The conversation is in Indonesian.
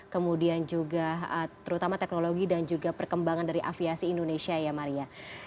kemudian juga terutama teknologi dan juga perkembangan dari aviasi indonesia ya maria